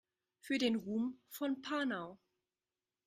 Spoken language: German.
Für den Ruhm von Panau!